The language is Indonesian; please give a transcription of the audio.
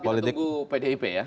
kita tunggu pdip ya